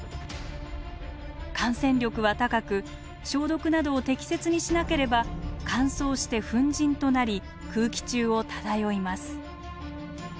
感染力は高く消毒などを適切にしなければ乾燥して粉じんとなり空気中を漂います。